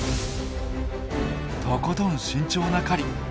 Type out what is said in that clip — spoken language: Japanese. とことん慎重な狩り。